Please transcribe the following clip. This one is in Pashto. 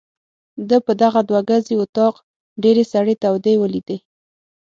ده په دغه دوه ګزي وطاق ډېرې سړې تودې ولیدې.